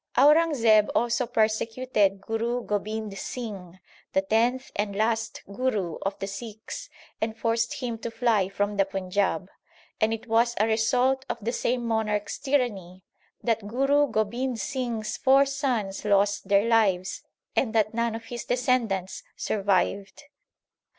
2 Aurangzeb also persecuted Guru Gobind Singh, the tenth and last Guru of the Sikhs, and forced him to fly from the Panjab ; and it was a result of the same monarch s tyranny that Guru Gobind Singh s four sons lost their lives and that none of his descendants survived.